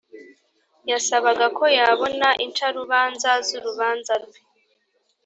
yasabaga ko yabona incarubanza z’urubanza rwe